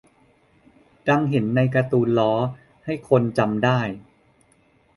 ดังเห็นในการ์ตูนล้อ ให้คนจำได้